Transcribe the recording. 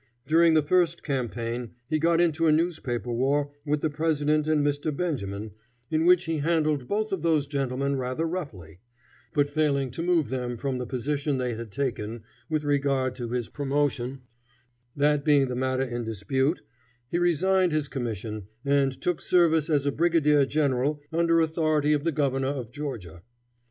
During the first campaign he got into a newspaper war with the president and Mr. Benjamin, in which he handled both of those gentlemen rather roughly, but failing to move them from the position they had taken with regard to his promotion, that being the matter in dispute, he resigned his commission, and took service as a brigadier general under authority of the governor of Georgia.